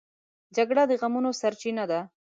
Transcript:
جګړه د غمونو سرچینه ده